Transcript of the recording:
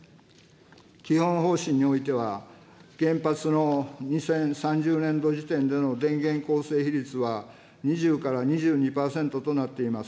基本方針においては、原発の２０３０年度時点での電源構成比率は２０から２２％となっています。